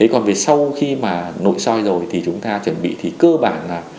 còn về sau khi mà nội soi rồi thì chúng ta chuẩn bị thì cơ bản là